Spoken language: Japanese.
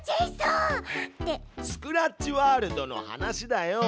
スクラッチワールドの話だよ！